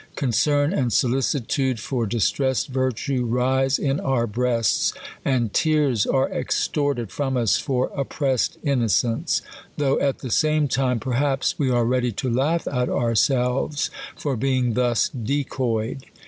concern and solicitude for distressed virtue, rise in our i breasts ; and tears are extorted from us for oppressed innocence : though at the same time, perhaps, we are ready to laugh at ourselves for being thus decoyed.